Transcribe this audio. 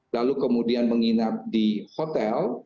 lalu kemudian menginap di hotel